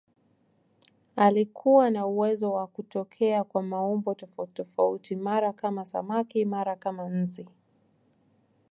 Alikuwa na uwezo wa kutokea kwa maumbo tofautitofauti, mara kama samaki, mara kama nzi.